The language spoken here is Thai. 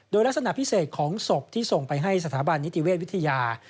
โดยลักษณะพิเศษของศพที่ส่งไปให้สถาบันนิติเวชวิทยา